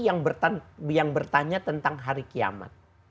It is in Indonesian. yang bertanya tentang hari kiamat